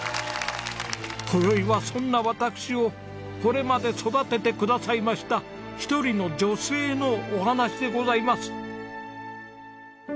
今宵はそんな私をこれまで育ててくださいました一人の女性のお話でございます。